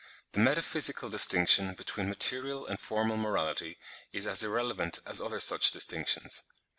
83), "the metaphysical distinction, between material and formal morality is as irrelevant as other such distinctions.")